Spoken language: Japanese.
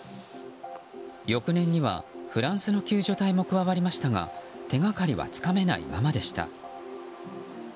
翌年にはフランスの救助隊も加わりましたが手がかりはつかめないままでした。